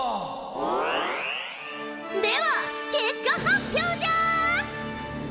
では結果発表じゃ！